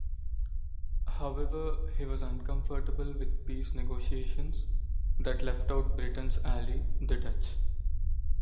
However he was uncomfortable with peace negotiations that left out Britain's ally, the Dutch.